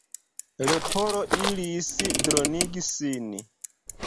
Leporo iris dronigi sin.